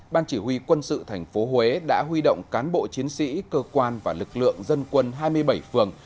ban chỉ huy quân sự tp huế đã huy động cán bộ chiến sĩ cơ quan và lực lượng dân quân hai mươi bảy phường